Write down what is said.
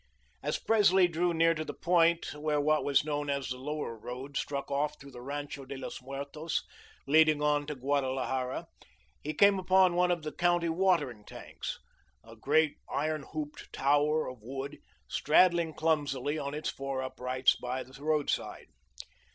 As Presley drew near to the point where what was known as the Lower Road struck off through the Rancho de Los Muertos, leading on to Guadalajara, he came upon one of the county watering tanks, a great, iron hooped tower of wood, straddling clumsily on its four uprights by the roadside.